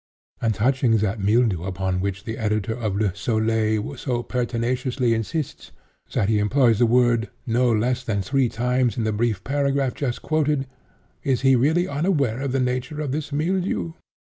And touching that mildew upon which the editor of Le Soleil so pertinaciously insists, that he employs the word no less than three times in the brief paragraph just quoted, is he really unaware of the nature of this mildew?